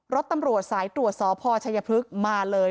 รถตำรวจสายตรวจสพชัยพฤกษ์มาเลย